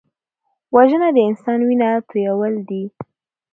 وژنه د انسان وینه تویول دي